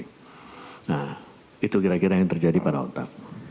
nah itu kira kira yang terjadi pada otak